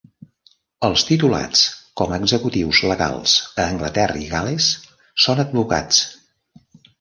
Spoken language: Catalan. Els titulats com a executius legals a Anglaterra i Gal·les són advocats.